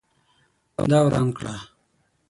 دا وران کړه